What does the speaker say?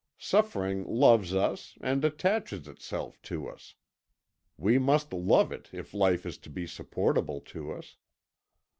Suffering loves us and attaches itself to us. We must love it if life is to be supportable to us.